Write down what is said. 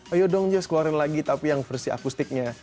ayo dong jus keluarin lagi tapi yang versi akustiknya